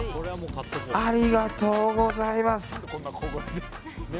ありがとうございます。